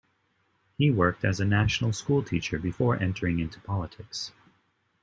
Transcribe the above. He worked as a national school teacher before entering into politics.